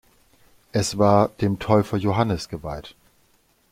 Es war dem Täufer Johannes geweiht.